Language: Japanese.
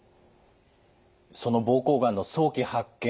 その膀胱がんの早期発見